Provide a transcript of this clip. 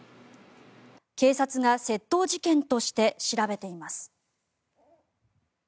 警察が窃盗事件として調べています。